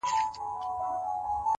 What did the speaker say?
بریا له چمتووالي سره مینه لري